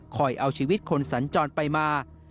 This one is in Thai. เอาชีวิตคนสัญจรไปมา